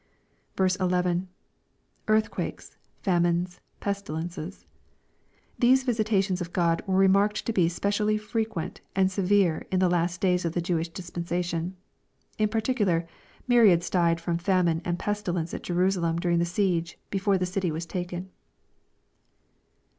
11. — [IhHhqtuikes,../arnines,.. pestilences,] These visitations of Gk)d were remarked to be specially frequent and severe in the last days of the Jewish dispensation. In particular, myriads died from famine and pestilence at Jerusalem during the siege, before the dty was taken.